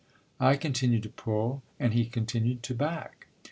I continued to pull and he continued to back.